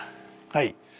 はい。